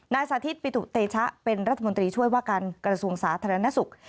นายสาธิตปิตุเตชะเป็นรัฐมนตรีว่าการกระสวงศาธารณสุข